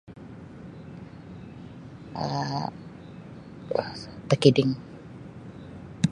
Um Takiding.